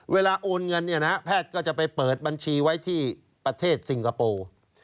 โอนเงินแพทย์ก็จะไปเปิดบัญชีไว้ที่ประเทศสิงคโปร์